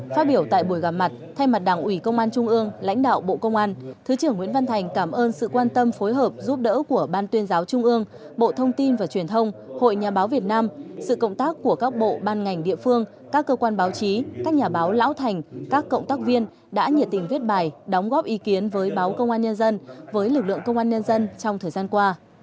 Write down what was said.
phát biểu tại buổi gặp mặt thay mặt đảng ủy công an trung ương lãnh đạo bộ công an thứ trưởng nguyễn văn thành cảm ơn sự quan tâm phối hợp giúp đỡ của ban tuyên giáo trung ương bộ thông tin và truyền thông hội nhà báo việt nam sự cộng tác của các bộ ban ngành địa phương các cơ quan báo chí các nhà báo lão thành các cộng tác viên đã nhiệt tình viết bài đóng góp ý kiến với báo công an nhân dân với lực lượng công an nhân dân trong thời gian qua